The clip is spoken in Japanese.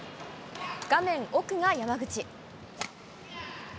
画面奥が山口。